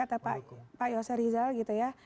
kalau tadi kata pak yose rizal gitu ya